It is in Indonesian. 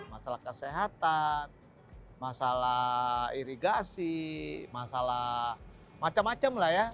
masalah kesehatan masalah irigasi masalah macam macam lah ya